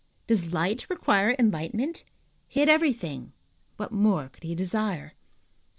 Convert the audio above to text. Does light require enlightenment? He had everything; what more could he desire?